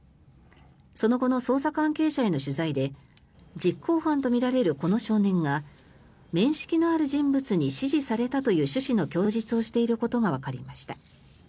その後の捜査関係者への取材で実行犯とみられるこの少年が面識のある人物に指示されたという趣旨の供述をしていることがわかりました。